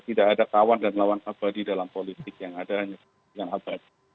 tidak ada kawan dan lawan abadi dalam politik yang ada hanya dengan abadi